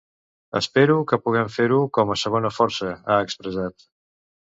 Espero que puguem fer-ho com a segona força, ha expressat.